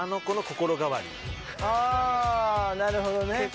あなるほどね。